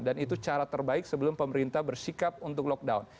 dan itu cara terbaik sebelum pemerintah bersikap untuk lockdown